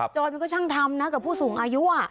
จรมันก็ช่างทำนะกับผู้สูงอายุ